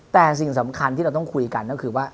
แต่สิ่งสำคัญที่เราต้องคุยกันก็คือว่า